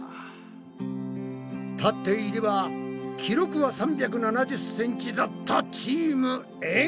立っていれば記録は３７０ｃｍだったチームエん。